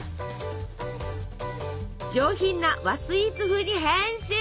上品な和スイーツ風に変身！